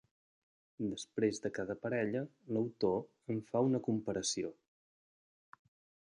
Després de cada parella l'autor en fa una comparació.